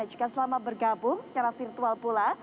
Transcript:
dan juga selamat bergabung secara virtual pula